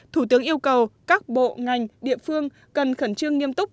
thủ tướng yêu cầu các bộ ngành địa phương cần khẩn trương nghiêm túc